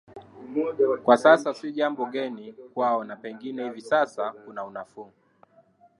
Kwa sasa si jambo geni kwao na pengine hivi sasa kuna unafuu